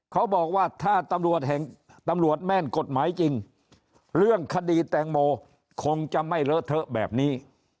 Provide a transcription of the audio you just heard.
เขาบอกว่าถ้าตำรวจแห่งตำรวจแม่นกฎหมายจริงเรื่องคดีแตงโมคงจะไม่เลอะเทอะแบบนี้